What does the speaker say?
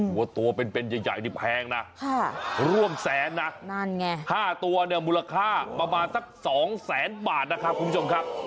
หัวตัวเป็นเป็นใหญ่นี่แพงนะร่วมแสนนะ๕ตัวมูลค่าประมาณสัก๒๐๐๐๐๐บาทคุณผู้ชมครับ